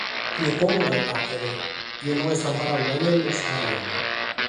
Chie podet faghet, chie no est amparadu dae nemos, arreat.